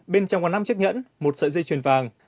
bên trong còn năm chiếc nhẫn một sợi dây truyền vàng